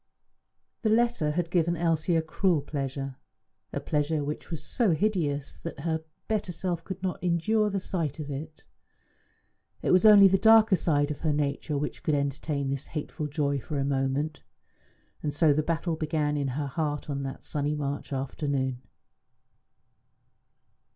The letter had given Elsie a cruel pleasure a pleasure which was so hideous that her better self could not endure the sight of it. It was only the darker side of her nature which could entertain this hateful joy for a moment. And so the battle began in her heart on that sunny March afternoon.